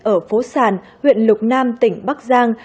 ở phố sàn huyện lục nam tỉnh bắc giang